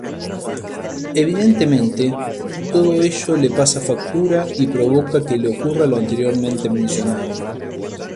Evidentemente, todo ello le pasa factura y provoca que le ocurra lo anteriormente mencionado.